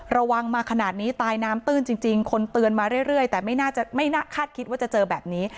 ระวังมาขนาดนี้ตายน้ำตื้นจริงคนเตือนมาเรื่อยแต่ไม่น่าจะไม่คาดคิดว่าจะเจอแบบนี้